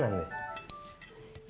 terus menunggu pesanan